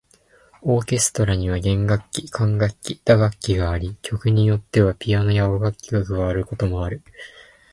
オーケストラには弦楽器、管楽器、打楽器があり、曲によってはピアノや和楽器が加わることもある。